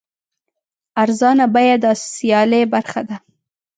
ارزانه بیه د سیالۍ برخه ده.